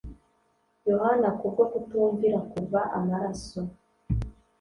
Yohana kubwo kutumvira kuva amaraso,